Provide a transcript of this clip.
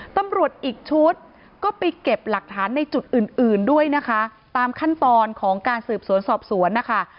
ตำรวจอีกชุดก็ไปเก็บหลักฐานในจุดอื่นอื่นด้วยนะคะตามขั้นตอนของการสืบสวนสอบสวนนะคะ